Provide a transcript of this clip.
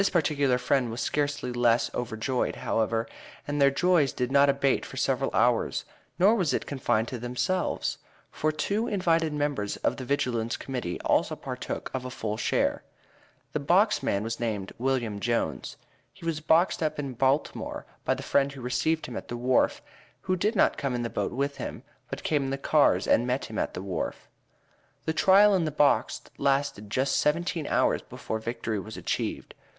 This particular friend was scarcely less overjoyed, however, and their joy did not abate for several hours; nor was it confined to themselves, for two invited members of the Vigilance Committee also partook of a full share. This box man was named Wm. Jones. He was boxed up in Baltimore by the friend who received him at the wharf, who did not come in the boat with him, but came in the cars and met him at the wharf. The trial in the box lasted just seventeen hours before victory was achieved.